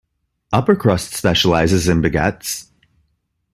Upper Crust specialises in baguettes.